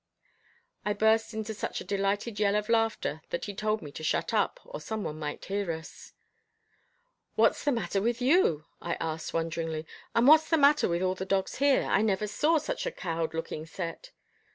I burst into such a delighted yell of laughter that he told me to shut up, or some one might hear us. "What's the matter with you?" I asked wonderingly. "And what's the matter with all the dogs here? I never saw such a cowed looking set."